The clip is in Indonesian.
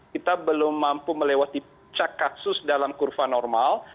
kita belum mampu melewati puncak kasus dalam kurva normal